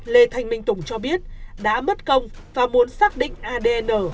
lê thanh minh tùng cho biết đã mất công và muốn xác định adn